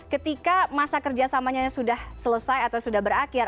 ketika masa kerjasamanya sudah selesai atau sudah berakhir